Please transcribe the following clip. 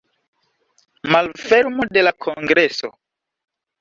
Malfermo de la kongreso.